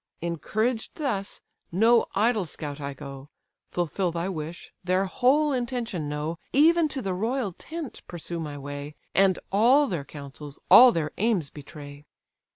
Encouraged thus, no idle scout I go, Fulfil thy wish, their whole intention know, Even to the royal tent pursue my way, And all their counsels, all their aims betray."